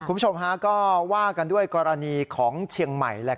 คุณผู้ชมฮะก็ว่ากันด้วยกรณีของเชียงใหม่